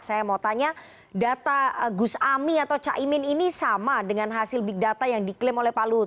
saya mau tanya data gus ami atau caimin ini sama dengan hasil big data yang diklaim oleh pak luhut